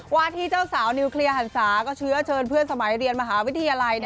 ว่าที่เจ้าสาวนิวเคลียร์หันศาก็เชื้อเชิญเพื่อนสมัยเรียนมหาวิทยาลัย